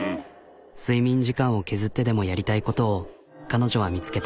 睡眠時間を削ってでもやりたいことを彼女は見つけた。